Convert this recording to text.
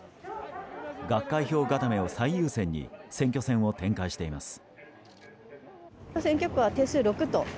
学会票固めを最優先に選挙戦を展開しています。